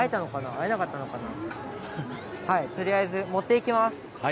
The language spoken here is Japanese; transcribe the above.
はい、とりあえず持っていきます。